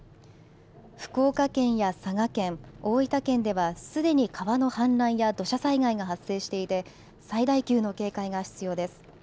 福岡県や佐賀県、大分県ではすでに川の氾濫や土砂災害が発生していて最大級の警戒が必要です。